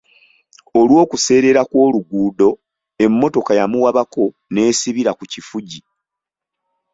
Olw'okuseerera kw'oluguudo, emmotoka yamuwabako n'esibira ku kifugi.